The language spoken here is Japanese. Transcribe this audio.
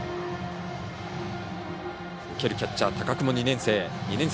受けるキャッチャー、高久も２年生。